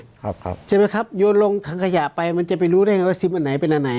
ใช่ไหมครับโยนลงถังขยะไปมันจะไปรู้ได้ไงว่าซิมอันไหนเป็นอันไหน